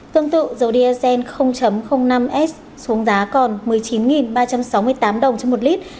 tương tự dầu dsn năm s xuống giá còn một mươi chín ba trăm sáu mươi tám đồng trên một lít giảm bốn trăm hai mươi đồng trên một lít